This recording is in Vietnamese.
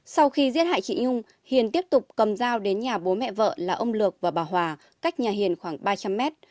sau khi giết hại chị nhung hiền tiếp tục cầm dao đến nhà bố mẹ vợ là ông lược và bà hòa cách nhà hiền khoảng ba trăm linh mét